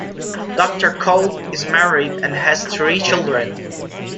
Doctor Kolb is married and has three children.